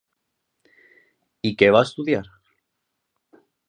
I què va estudiar?